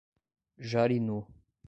Jarinu